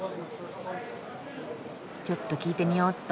ちょっと聞いてみよっと。